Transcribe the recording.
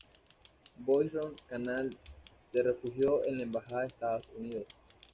Boisrond-Canal se refugió en la embajada de Estados Unidos.